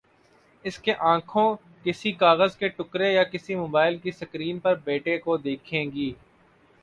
اس کے آنکھیں کسی کاغذ کے ٹکڑے یا کسی موبائل کی سکرین پر بیٹے کو دیکھیں گی۔